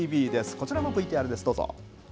こちらもＶＴＲです、どうぞ。